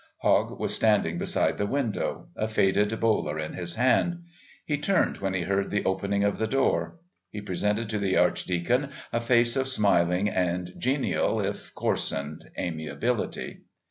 Hogg was standing beside the window, a faded bowler in his hand. He turned when he heard the opening of the door; he presented to the Archdeacon a face of smiling and genial, if coarsened, amiability.